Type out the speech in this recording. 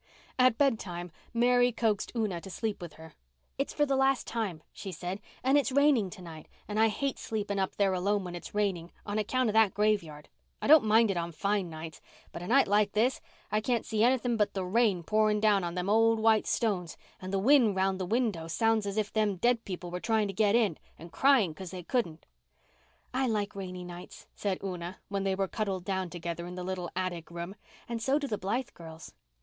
At bedtime Mary coaxed Una to sleep with her. "It's for the last time," she said, "and it's raining tonight, and I hate sleeping up there alone when it's raining on account of that graveyard. I don't mind it on fine nights, but a night like this I can't see anything but the rain pouring down on them old white stones, and the wind round the window sounds as if them dead people were trying to get in and crying 'cause they couldn't." "I like rainy nights," said Una, when they were cuddled down together in the little attic room, "and so do the Blythe girls."